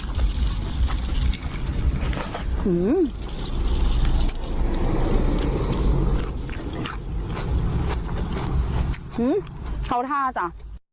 อืมเขาท่าจ้า